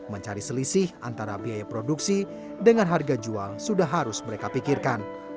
mencari selisih antara biaya produksi dengan harga jual sudah harus mereka pikirkan